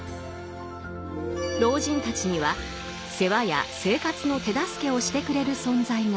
老人たちには世話や生活の手助けをしてくれる存在が友人なのだと。